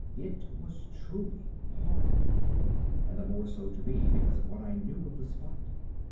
It was truly horrible, and the more so to me because of what I knew of the spot.